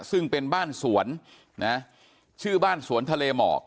ซึ่งเป็นบ้านสวนนะชื่อบ้านสวนทะเลหมอก